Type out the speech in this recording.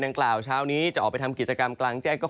ดังกล่าวเช้านี้จะออกไปทำกิจกรรมกลางแจ้งก็